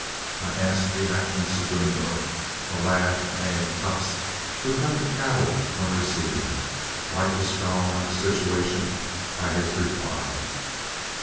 I asked the acting segundo, a lad named Tupps, who cut the cattle when receiving; light was thrown on the situation by his reply.